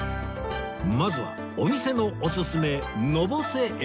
まずはお店のおすすめのぼせ海老